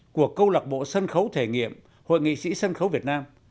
của câu lạc bộ sân khấu thể nghiệm hội nghị sĩ sân khấu việt nam